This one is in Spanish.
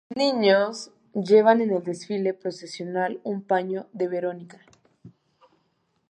Los niños llevan en el desfile procesional un paño de Verónica.